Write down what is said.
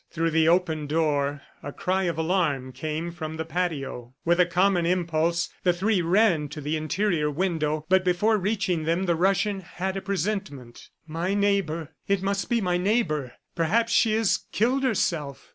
Through the open door, a cry of alarm came up from the patio. With a common impulse, the three ran to the interior window, but before reaching them, the Russian had a presentiment. "My neighbor! ... It must be my neighbor. Perhaps she has killed herself!"